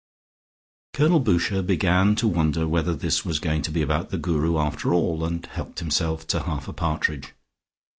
Colonel Boucher began to wonder whether this was going to be about the Guru after all and helped himself to half a partridge.